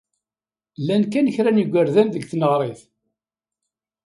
Llan kan kra n yigerdan deg tneɣrit.